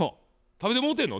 食べてもうてんの？